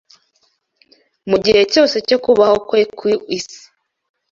mu gihe cyose cyo kubaho kwe ku isi